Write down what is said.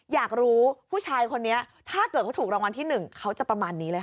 อยากรู้ผู้ชายคนนี้ถ้าเกิดเขาถูกรางวัลที่๑เขาจะประมาณนี้เลยค่ะ